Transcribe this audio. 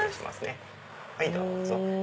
はいどうぞ。